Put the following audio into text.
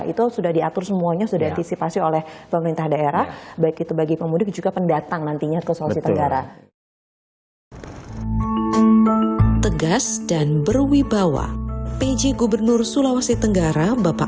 itu sudah diatur semuanya sudah diantisipasi oleh pemerintah daerah baik itu bagi pemudik juga pendatang nantinya ke sulawesi tenggara